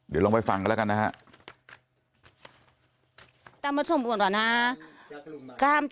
เดี๋ยวลองไปฟังกันแล้วกันนะครับ